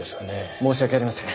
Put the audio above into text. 申し訳ありません。